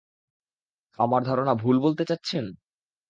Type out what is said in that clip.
আমার ধারণা ভুল বলতে চাচ্ছেন?